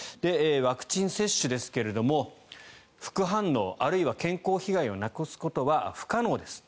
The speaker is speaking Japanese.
ワクチン接種ですけれど副反応あるいは健康被害をなくすことは不可能です。